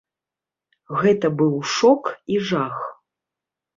Гэта быў шок і жах.